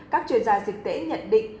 các chuyên gia dịch tế nhận định